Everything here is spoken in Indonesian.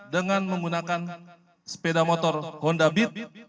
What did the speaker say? dengan menggunakan sepeda motor honda bit